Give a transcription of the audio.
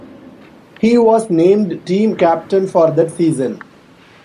He was named team captain for that season.